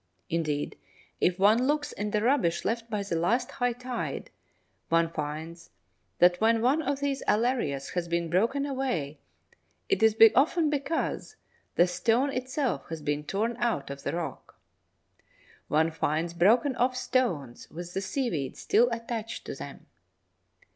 Indeed, if one looks in the rubbish left by the last high tide, one finds that when one of these Alarias has been broken away, it is often because the stone itself has been torn out of the rock! One finds broken off stones with the seaweed still attached to them.